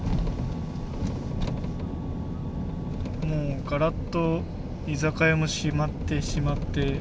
もうガラッと居酒屋も閉まってしまって。